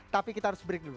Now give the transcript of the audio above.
tapi kita harus break dulu